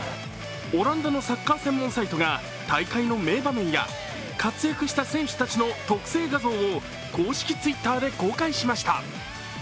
オランダのサッカー専門サイトが大会の名場面や活躍した選手たちの特製画像を公式Ｔｗｉｔｔｅｒで公開しました。